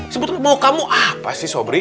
sebetulnya mau kamu apa sih sobri